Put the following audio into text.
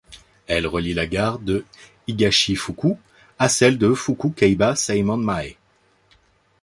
Elle relie la gare de Higashi-Fuchū à celle de Fuchū-Keiba-Seimon-mae.